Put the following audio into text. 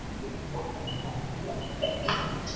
There were signs of burglary.